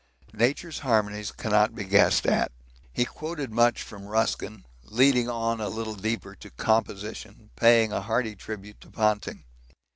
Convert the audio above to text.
Nature's harmonies cannot be guessed at. He quoted much from Ruskin, leading on a little deeper to 'Composition,' paying a hearty tribute to Ponting.